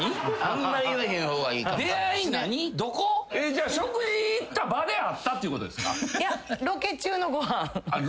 じゃあ食事行った場で会ったっていうことですか？